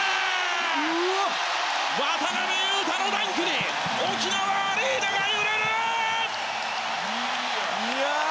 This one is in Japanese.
渡邊雄太のダンクに沖縄アリーナが揺れる！